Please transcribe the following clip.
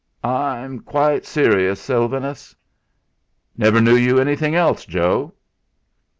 "I'm quite serious, Sylvanus." "Never knew you anything else, Joe."